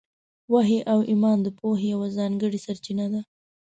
وحي او ایمان د پوهې یوه ځانګړې سرچینه ده.